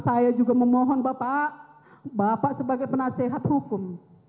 saya juga memohon bapak sebagai penasehat hukum